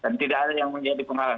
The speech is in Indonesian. dan tidak ada yang menjadi pengawasan